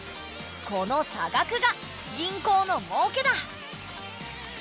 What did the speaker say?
この差額が銀行の儲けだ。